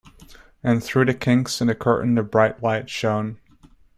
And through the chinks in the curtain the bright light shone.